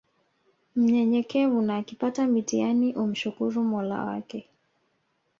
mnyenyekevu na akipata mitihani umshukuru mola wake